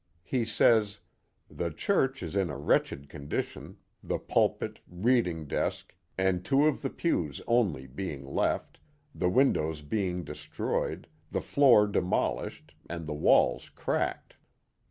He says: " The church is in a wretched condition, the pulpit, reading desk, and two of the pews only being left, the win dows being destroyed, the floor demolished, and the walls cracked.